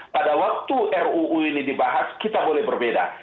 pada waktu ruu ini dibahas kita boleh berbeda